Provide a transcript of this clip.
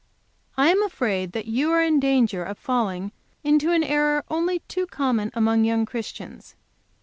"I am afraid that you are in danger of falling into an error only too common among young Christians.